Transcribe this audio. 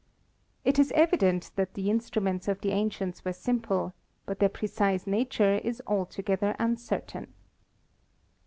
It is evident that the instruments of the ancients were simple, but their precise nature is altogether uncertain.